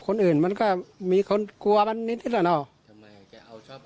คนอื่นมันก็มีคนกลัวมันนิดนิดอ่ะเนอะทำไมแกเอาชอบ